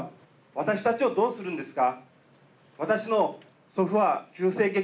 私たちをどうするんですか。